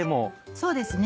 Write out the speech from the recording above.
そうですね。